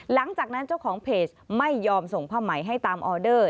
หลังจากนั้นเจ้าของเพจไม่ยอมส่งผ้าไหมให้ตามออเดอร์